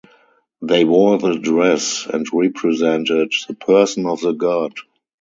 They wore the dress and represented the person of the god.